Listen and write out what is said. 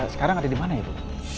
sekarang ada di mana ya bu